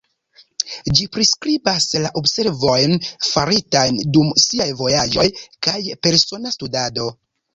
Ĝi priskribas la observojn faritajn dum siaj vojaĝoj kaj persona studado.